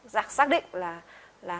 giặc xác định là